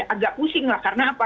agak pusing lah karena apa